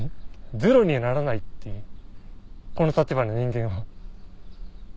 ゼロにはならないっていうこの立場の人間は。